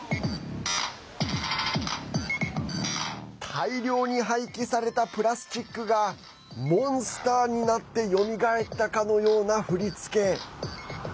大量に廃棄されたプラスチックがモンスターになってよみがえったかのような振り付け。